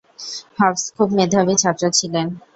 Hobbes খুব মেধাবী ছাত্র ছিলেন।